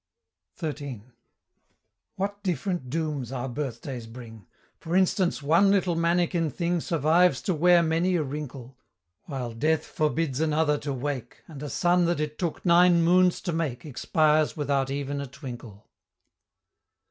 XIII. What different dooms our birthdays bring! For instance, one little manikin thing Survives to wear many a wrinkle; While Death forbids another to wake, And a son that it took nine moons to make Expires without even a twinkle!